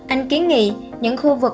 anh ký nghĩ những khu vực